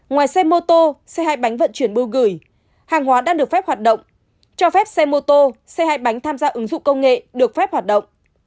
ngoài xe mô tô xe hai bánh vận chuyển bưu gửi hàng hóa đang được phép hoạt động cho phép xe mô tô xe hai bánh tham gia ứng dụng công nghệ được phép hoạt động